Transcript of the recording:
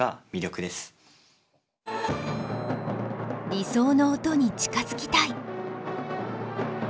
理想の音に近づきたい。